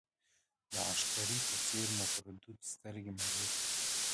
د عشقري په څېر مو پر دود سترګې مړې کړې.